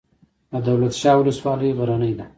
د دولت شاه ولسوالۍ غرنۍ ده